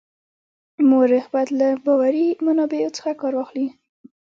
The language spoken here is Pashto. مورخ باید له باوري منابعو څخه کار واخلي.